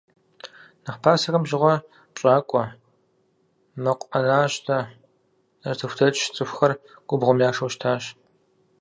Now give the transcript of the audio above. Нэхъ пасэхэм щыгъуэ пщӀакӀуэ, мэкъуӀэнащтэ, нартыхудэч цӀыхухэр губгъуэм яшэу щытащ.